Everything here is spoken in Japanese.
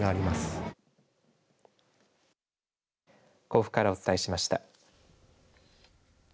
甲府からお伝えしました。